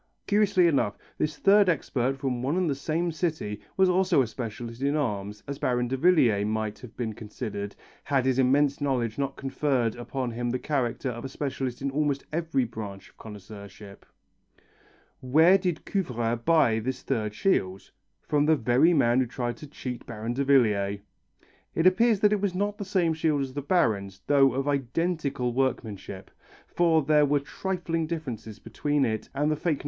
Curiously enough, this third expert from one and the same city was also a specialist in arms, as Baron Davillier might have been considered, had his immense knowledge not conferred upon him the character of a specialist in almost every branch of connoisseurship. [Illustration: PLAQUETTES OF VARIOUS ARTISTS. Imitations of Roman work.] Where did Couvreur buy this third shield? From the very man who tried to cheat Baron Davillier. It appears it was not the same shield as the Baron's, though of identical workmanship, for there were trifling differences between it and the fake No.